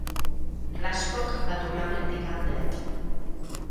Glasscock va tornar a practicar el dret.